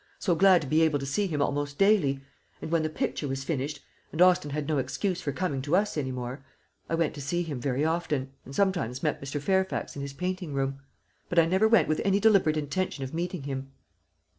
so glad to be able to see him almost daily; and when the picture was finished, and Austin had no excuse for coming to us any more, I went to see him very often, and sometimes met Mr. Fairfax in his painting room; but I never went with any deliberate intention of meeting him."